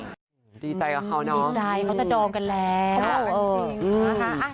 ดีใจกับเขานะดีใจเขาจะจองกันแล้วจริงนะคะ